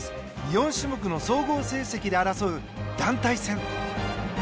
４種目の総合成績で争う団体戦